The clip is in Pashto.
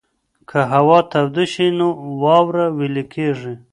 که هوا توده شي نو واوره ویلې کېږي.